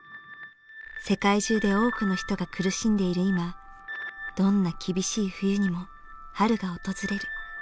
世界中で多くの人が苦しんでいる今「どんな厳しい冬にも春が訪れる」